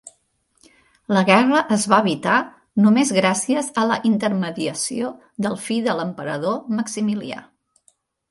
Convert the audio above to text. La guerra es va evitar només gràcies a la intermediació del fill de l'emperador, Maximilià.